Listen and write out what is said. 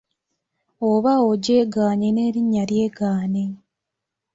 Oba ogyegaanye n'erinya lyegaane.